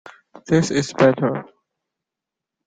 This is better.